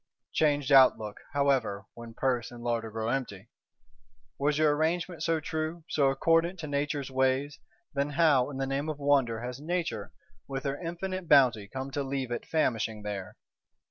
Changed outlook, however, when purse and larder grow empty! Was your Arrangement so true, so accordant to Nature's ways, then how, in the name of wonder, has Nature, with her infinite bounty, come to leave it famishing there?